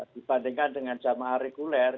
dibandingkan dengan jamaah reguler